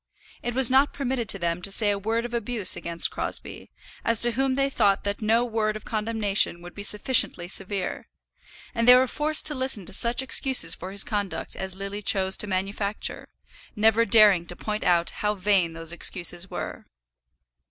It was not permitted to them to say a word of abuse against Crosbie, as to whom they thought that no word of condemnation could be sufficiently severe; and they were forced to listen to such excuses for his conduct as Lily chose to manufacture, never daring to point out how vain those excuses were.